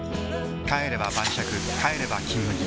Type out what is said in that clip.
帰れば晩酌帰れば「金麦」